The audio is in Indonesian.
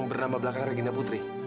bernama belakang regina putri